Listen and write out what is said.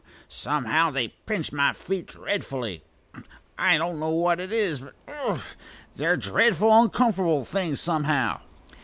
Somehow they pinch my feet dreadfully. I don't know what it is, phew! They're dreadful oncomf'table things somehow."